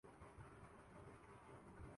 ہم تصویر کو یک رنگی بھی بنا سکتے ہی